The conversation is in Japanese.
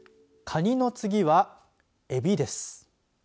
かにの次はえびです。